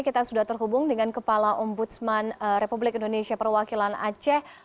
kita sudah terhubung dengan kepala ombudsman republik indonesia perwakilan aceh